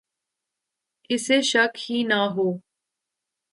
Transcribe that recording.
اسے شک ہی نہ ہو